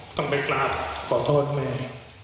ต้องไปกราบขอโทษแม่